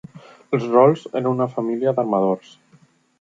Els Rawles eren una família d'armadors.